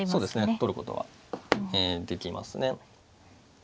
取ることができますね。